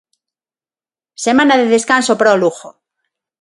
Semana de descanso para o Lugo.